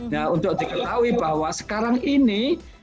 nah untuk diketahui bahwa sekarang ini